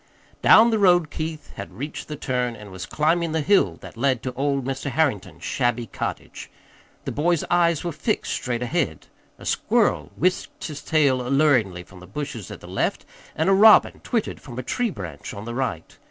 Down the road Keith had reached the turn and was climbing the hill that led to old Mr. Harrington's shabby cottage. The boy's eyes were fixed straight ahead. A squirrel whisked his tail alluringly from the bushes at the left, and a robin twittered from a tree branch on the right.